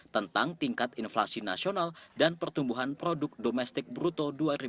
tentang tingkat inflasi nasional dan pertumbuhan produk domestik bruto dua ribu dua puluh